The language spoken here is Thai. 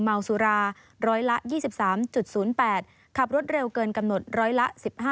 เมาสุราร้อยละ๒๓๐๘ขับรถเร็วเกินกำหนดร้อยละ๑๕